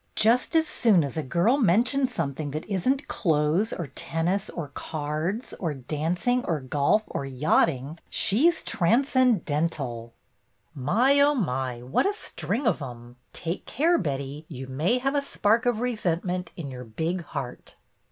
"Just as soon as a girl mentions something that is n't clothes or tennis or cards or dancing or golf or yachting, she 's 'transcendental'!" "My, oh, my, what a string of 'em! Take care, Betty; you may have a spark of resent ment in your big heart